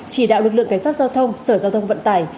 chỉ đạo lực lượng cảnh sát giao thông sở giao thông vận tải